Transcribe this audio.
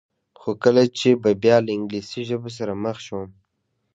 خو کله چې به بیا له انګلیسي ژبو سره مخ شوم.